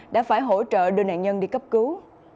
đã phải hỗ trợ đưa nạn nhân đi cấp cứu